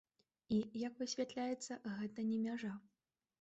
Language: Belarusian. І, як высвятляецца, гэта не мяжа.